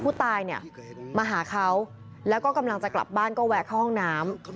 ผู้ตายเนี่ยมาหาเขาแล้วก็กำลังจะกลับบ้านก็แวะเข้าห้องน้ำ